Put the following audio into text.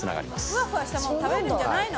ふわふわしたもん食べるんじゃないの！？